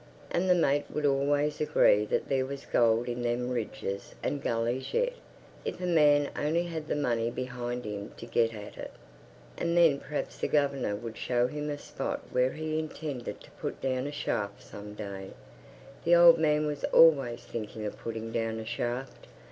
And the mate would always agree that there was "gold in them ridges and gullies yet, if a man only had the money behind him to git at it." And then perhaps the guv'nor would show him a spot where he intended to put down a shaft some day the old man was always thinking of putting down a shaft.